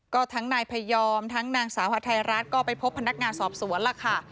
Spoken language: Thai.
ก็ทั้งนายพยอมทั้งนางสาวฮาไทยรัฐก็ไปพบพนักงานสอบสวนล่ะค่ะ